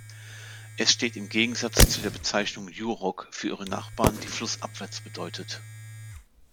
Es steht im Gegensatz zu der Bezeichnung "Yurok" für ihre Nachbarn, die "flussabwärts" bedeutet.